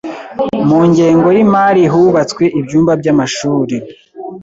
Mungengo y’imari hubatswe ibyumba by’amashuri